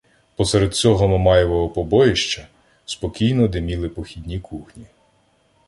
Посеред цього "Мамаєвого побоїща" спокійно диміли похідні кухні.